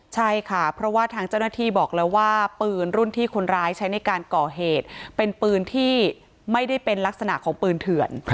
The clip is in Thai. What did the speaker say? ใช่ค่ะเพราะว่าทางเจ้าหน้าที่บอกแล้วว่าปืนรุ่นที่คนร้ายใช้ในการก่อเหตุเป็นปืนที่ไม่ได้เป็นลักษณะของปืนเถื่อน